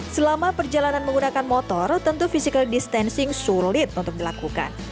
selama perjalanan menggunakan motor tentu physical distancing sulit untuk dilakukan